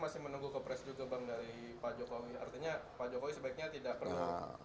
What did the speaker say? masih menunggu kepresidu kebang dari pak jokowi artinya pak jokowi sebaiknya tidak perlu